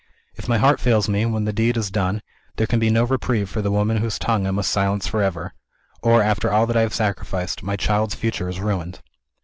If my heart fails me, when the deed is done, there can be no reprieve for the woman whose tongue I must silence for ever or, after all I have sacrificed, my child's future is ruined."